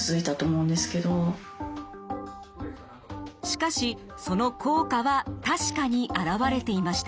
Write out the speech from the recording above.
しかしその効果は確かに表れていました。